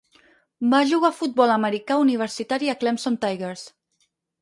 Va jugar futbol americà universitari a Clemson Tigers.